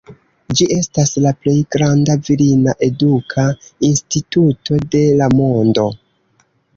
Ĝi estas la plej granda virina eduka instituto de la mondo.